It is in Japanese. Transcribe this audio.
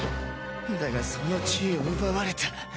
だがその地位を奪われた。